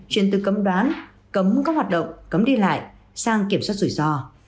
chuyển từ cấm đoán cấm các hoạt động cấm đi lại sang kiểm soát rủi ro